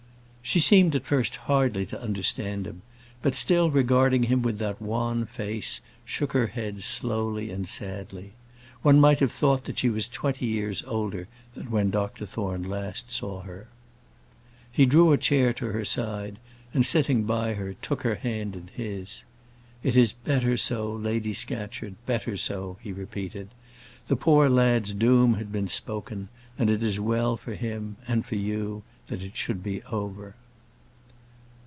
She seemed at first hardly to understand him, but still regarding him with that wan face, shook her head slowly and sadly. One might have thought that she was twenty years older than when Dr Thorne last saw her. He drew a chair to her side, and sitting by her, took her hand in his. "It is better so, Lady Scatcherd; better so," he repeated. "The poor lad's doom had been spoken, and it is well for him, and for you, that it should be over."